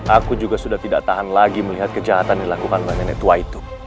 aku juga sudah tidak tahan lagi melihat kejahatan yang dilakukan oleh nenek tua itu